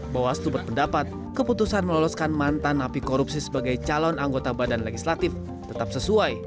bawaslu berpendapat keputusan meloloskan mantan api korupsi sebagai calon anggota badan legislatif tetap sesuai